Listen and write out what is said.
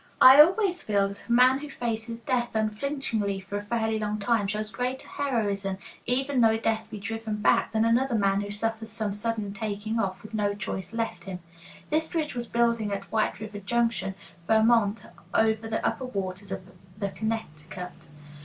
I always feel that a man who faces death unflinchingly for a fairly long time shows greater heroism, even though death be driven back, than another man who suffers some sudden taking off with no choice left him. This bridge was building at White River Junction, Vermont, over the upper waters of the Connecticut.